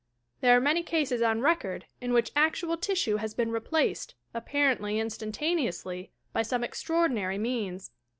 There arc many cases on record in which actual tissue has been replaced, apparently instantaneously, by some extraordinary means.